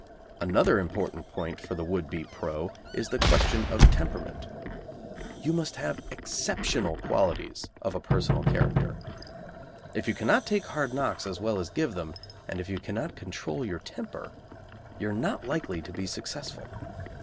Another important point for the would be "pro." is the question of temperament. You must have exceptional qualities of a personal character. If you cannot take hard knocks as well as give them, and if you cannot control your temper, you are not likely to be successful.